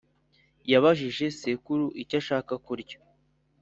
yabajije sekuru icyo ashaka kurya